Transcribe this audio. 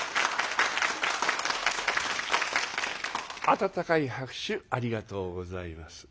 温かい拍手ありがとうございます。